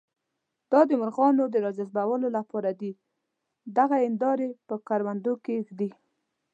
دا د مرغانو د راجذبولو لپاره دي، دغه هندارې په کروندو کې ږدي.